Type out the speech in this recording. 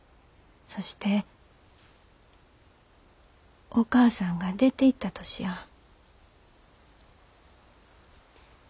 そしてお母さんが出ていった年や。